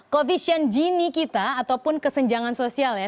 koevisian genie kita ataupun kesenjangan sosial ya